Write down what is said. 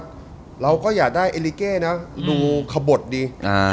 แล้วเราก็อยากได้ลิเกะดูขะบดดี